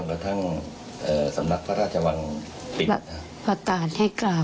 ไปทั้งแต่วันที่๔ที่๑๐บงเช้า